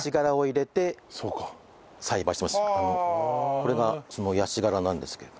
これがそのヤシ殻なんですけど。